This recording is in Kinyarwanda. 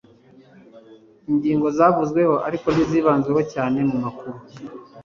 ingingo zavuzweho ariko zitibanzweho cyane mu makuru